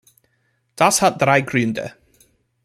Das hat drei Gründe.